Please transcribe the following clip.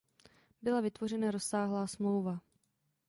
Byla vytvořena rozsáhlá smlouva.